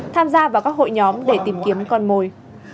tham gia vào các hội nhóm để tìm kiếm con mồi